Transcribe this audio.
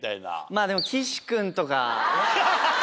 まぁでも岸君とかは。